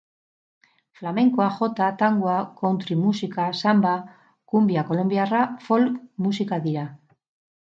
Flamenkoa, jota, tangoa, country musika, samba, cumbia kolonbiarra folk musika dira.